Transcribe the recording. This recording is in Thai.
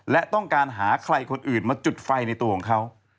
และต้องการหาใครคนอื่นมาจุดไฟในตัวของเขา